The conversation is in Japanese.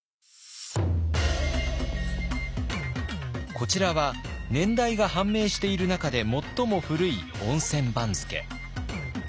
こちらは年代が判明している中で最も古い温泉番付。